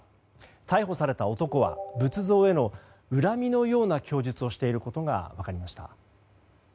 逮捕された男は仏像への恨みのような供述をしていることが分かりました。